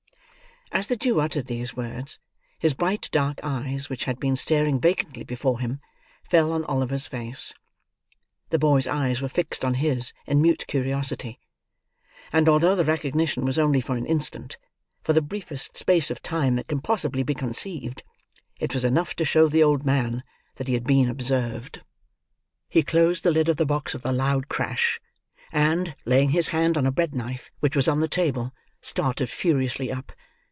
As the Jew uttered these words, his bright dark eyes, which had been staring vacantly before him, fell on Oliver's face; the boy's eyes were fixed on his in mute curiousity; and although the recognition was only for an instant—for the briefest space of time that can possibly be conceived—it was enough to show the old man that he had been observed. He closed the lid of the box with a loud crash; and, laying his hand on a bread knife which was on the table, started furiously up.